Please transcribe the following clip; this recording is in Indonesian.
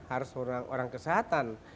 harus orang orang kesehatan